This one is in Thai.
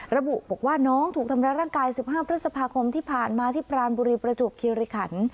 ระบุบอกว่าน้องถูกทำร้ายร่างกาย๑๕พฤษภาคมที่ผ่านมาที่ปรานบุรีประจวบคิริขัน